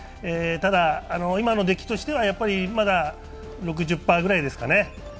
ただ、今の出来としては、まだ６０％くらいですかね。